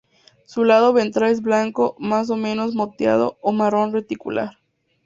Su lado ventral es blanco más o menos moteado o marrón reticular.